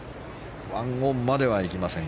１オンまでは行きません。